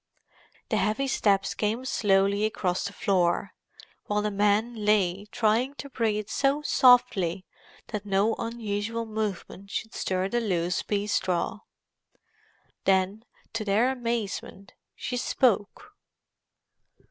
The heavy steps came slowly across the floor, while the men lay trying to breath so softly that no unusual movement should stir the loose pea straw. Then, to their amazement, she spoke.